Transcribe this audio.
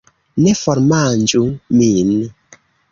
Ne formanĝu min!